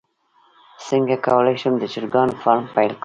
څنګه کولی شم د چرګانو فارم پیل کړم